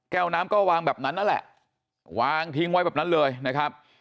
วน้ำก็วางแบบนั้นนั่นแหละวางทิ้งไว้แบบนั้นเลยนะครับ